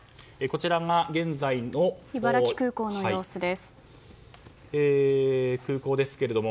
こちらが現在の茨城空港の様子です。